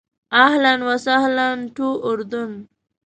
اهلاً و سهلاً ټو اردن.